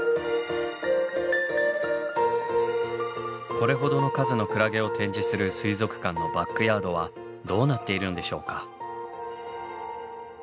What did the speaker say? これほどの数のクラゲを展示する水族館のバックヤードはどうなっているのでしょうか？